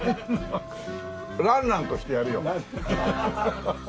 ランランとしてやるよ。